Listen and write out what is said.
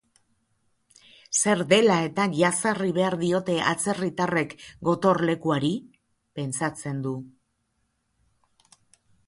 Zer dela-eta jazarri behar diote atzerritarrek Gotorlekuari?, pentsatzen du.